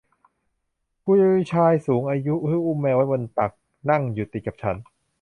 มีชายสูงอายุที่อุ้มแมวไว้บนตักนั่งอยู่ติดกับฉัน